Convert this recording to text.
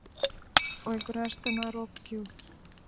Ойгыраш тына рок кӱл».